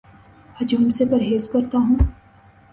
ہجوم سے پرہیز کرتا ہوں